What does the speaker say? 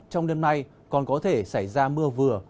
trong đêm nay còn có thể xảy ra mưa vừa